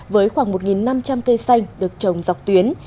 với khoảng một năm trăm linh cây xanh được trồng dọc tuyến